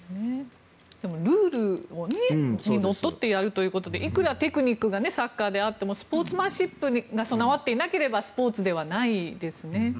でも、ルールにのっとってやるっていうことでいくらテクニックがサッカーであってもスポーツマンシップが備わっていなければスポーツではないですね。